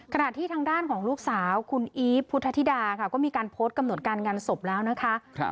ขณะที่ทางด้านของลูกสาวคุณอีฟพุทธธิดาค่ะก็มีการโพสต์กำหนดการงานศพแล้วนะคะ